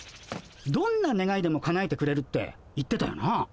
どんなねがいでもかなえてくれるって言ってたよな。